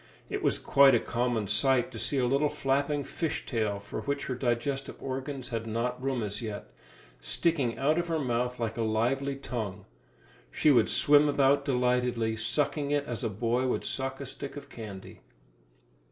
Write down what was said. It was quite a common sight to see a little flapping fish tail for which her digestive organs had not room as yet, sticking out of her mouth like a lively tongue. She would swim about delightedly, sucking it as a boy would suck a stick of candy.